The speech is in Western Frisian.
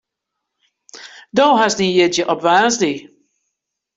Do hast dyn jierdei op woansdei.